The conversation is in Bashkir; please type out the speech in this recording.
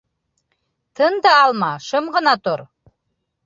Тын да алма, шым ғына тор.